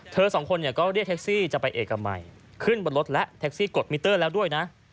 สองคนเนี่ยก็เรียกแท็กซี่จะไปเอกมัยขึ้นบนรถและแท็กซี่กดมิเตอร์แล้วด้วยนะ